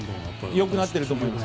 よくなってると思います。